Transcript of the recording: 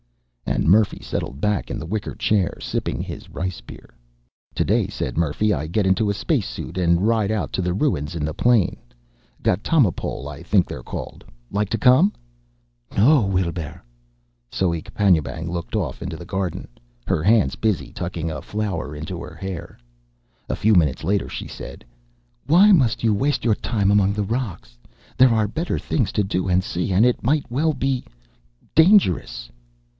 And Murphy settled back in the wicker chair, sipping his rice beer. "Today," said Murphy, "I get into a space suit, and ride out to the ruins in the plain. Ghatamipol, I think they're called. Like to come?" "No, Weelbrrr." Soek Panjoebang looked off into the garden, her hands busy tucking a flower into her hair. A few minutes later she said, "Why must you waste your time among the rocks? There are better things to do and see. And it might well be dangerous."